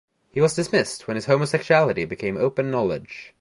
He was dismissed when his homosexuality became open knowledge.